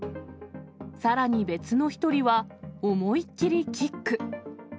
さらに別の１人は、思いっ切りキック。